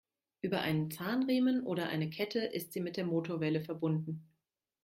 Über einen Zahnriemen oder eine Kette ist sie mit der Motorwelle verbunden.